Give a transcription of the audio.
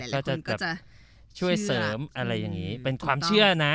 ก็จะแบบช่วยเสริมอะไรอย่างนี้เป็นความเชื่อนะ